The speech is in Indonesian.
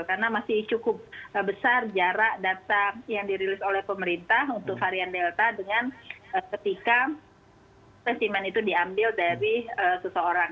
karena masih cukup besar jarak data yang dirilis oleh pemerintah untuk varian delta dengan ketika specimen itu diambil dari seseorang